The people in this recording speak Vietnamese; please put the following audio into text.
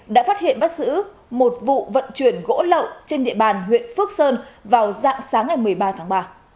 đã phát hiện bắt giữ một vụ vận chuyển gỗ lậu trên địa bàn huyện phước sơn vào dạng sáng ngày một mươi ba tháng ba